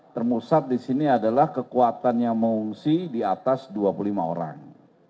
termusat di sini adalah kekuatan yang mengungsi di atas dua puluh lima orang